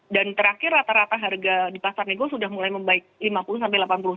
dan terakhir rata rata harga di pasar negosiasi sudah mulai membaik lima puluh sampai delapan puluh